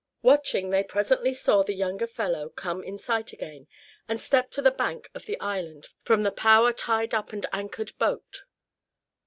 Watching they presently saw the younger fellow come in sight again, and step to the bank of the island from the power tied up and anchored boat.